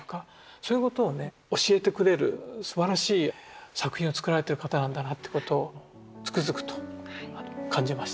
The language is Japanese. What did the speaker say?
そういうことをね教えてくれるすばらしい作品を作られている方なんだなってことをつくづくと感じました。